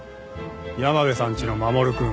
山部さんちの守くん。